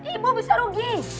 ibu bisa rugi